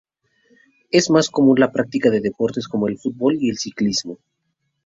Es más común la práctica de deportes como el fútbol y el ciclismo.